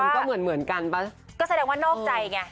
ก็เหมือนกันป่ะก็แสดงว่านอกใจไง